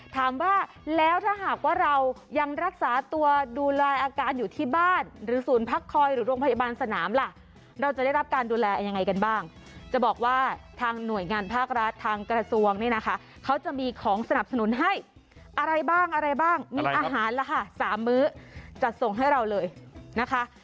ถามว่าแล้วถ้าหากว่าเรายังรักษาตัวดูแลอาการอยู่ที่บ้านหรือศูนย์พักคอยหรือโรงพยาบาลสนามล่ะเราจะได้รับการดูแลยังไงกันบ้างจะบอกว่าทางหน่วยงานภาครัฐทางกระทรวงเนี่ยนะคะเขาจะมีของสนับสนุนให้อะไรบ้างอะไรบ้างมีอาหารล่ะค่ะสามมื้อจัดส่งให้เราเลยนะคะ